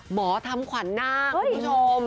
หมอทำขวัญนาคคุณผู้ชม